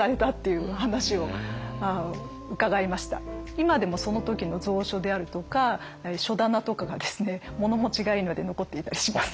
今でもその時の蔵書であるとか書棚とかがですね物持ちがいいので残っていたりします。